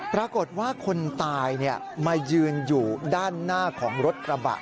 ปรากฏว่าคนตายมายืนอยู่ด้านหน้าของรถกระบะ